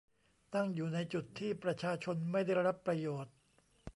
ตั้งอยู่ในจุดที่ประชาชนไม่ได้รับประโยชน์